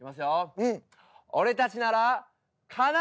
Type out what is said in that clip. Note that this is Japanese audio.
俺たちなら。